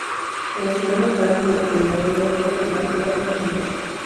Es la ciudad natal del ex gobernador de Robert McNair Evander.